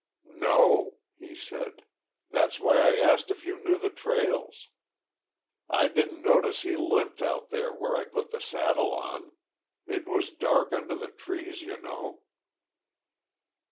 "No," he said. "That's why I asked if you knew the trails. I didn't notice he limped out there where I put the saddle on. It was dark under the trees, you know."